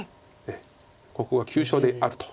ここが急所であると。